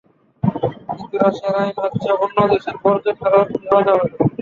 কিন্তু রাশিয়ার আইন হচ্ছে, অন্য দেশের বর্জ্য ফেরত নেওয়া যাবে না।